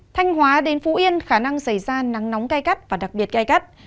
thanh hóa đến phú yên khả năng xảy ra nắng nóng cay cắt và đặc biệt cay cắt